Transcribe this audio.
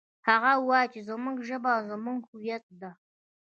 هغه وایي چې زموږ ژبه زموږ هویت ده